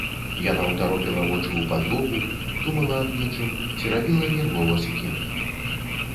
Яна ўтаропіла вочы ў падлогу, думала аб нечым, церабіла нервова сукенку.